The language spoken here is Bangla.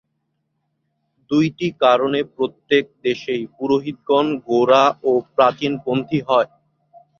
দুইটি কারণে প্রত্যেক দেশেই পুরোহিতগণ গোঁড়া ও প্রাচীনপন্থী হয়।